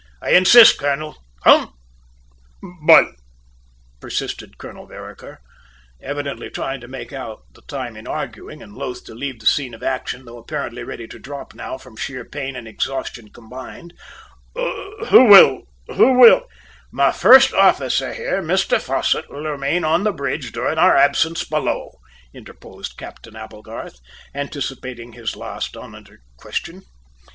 I insist, colonel; come." "But," persisted Colonel Vereker, evidently trying to make out the time in arguing, and loth to leave the scene of action, though apparently ready to drop now from sheer pain and exhaustion combined, "Who will who will " "My first officer here, Mr Fosset, will remain on the bridge during our absence below," interposed Captain Applegarth, anticipating his last, unuttered objection.